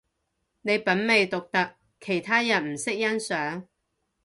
你品味獨特，其他人唔識欣賞